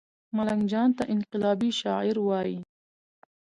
ملنګ جان ته انقلابي شاعر وايي